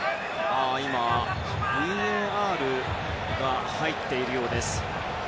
今、ＶＡＲが入っているようです。